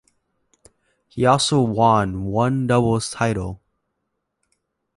He also won one doubles title.